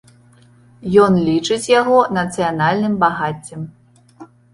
Ён лічыць яго нацыянальным багаццем.